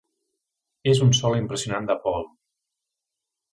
És un solo impressionant de Paul.